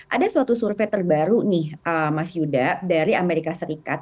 ada suatu survei terbaru nih mas yuda dari amerika serikat